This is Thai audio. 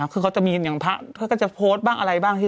คือเขาจะมีอย่างพระเขาก็จะโพสต์บ้างอะไรบ้าง